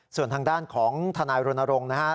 ส่วนทางด้านของทนายรณรงค์นะฮะ